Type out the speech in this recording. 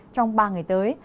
trong ba ngày tới